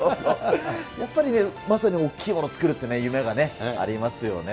やっぱりね、まさに大きいものを作るってね、夢がね、ありますよね。